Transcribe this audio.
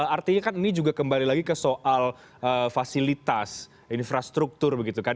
artinya kan ini juga kembali lagi ke soal fasilitas infrastruktur begitu kan